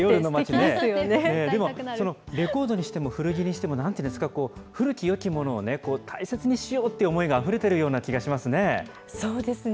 でもレコードにしても古着にしても、なんていうんですか、古きよきものを大切にしようって思いがあふれてるような気がしますね。